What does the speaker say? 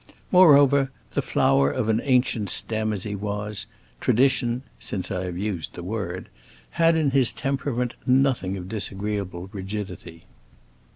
Moreover, the flower of an ancient stem as he was, tradition (since I have used the word) had in his temperament nothing of disagreeable rigidity.